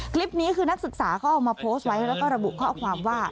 คลิปนี้คือนักศึกษาเขาเอามาโพสต์ไว้แล้วก็ระบุข้อความว่า